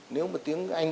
nếu mà tiếng anh